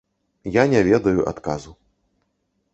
Я не ведаю адказу.